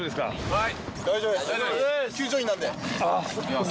はい。